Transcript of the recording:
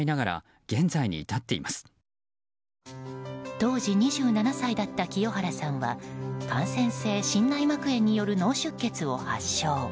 当時２７歳だった清原さんは感染性心内膜炎による脳出血を発症。